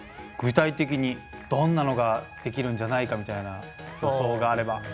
具体的にどんなのができるんじゃないかみたいな予想があれば。